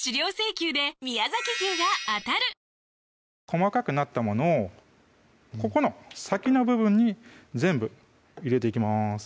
細かくなったものをここの先の部分に全部入れていきます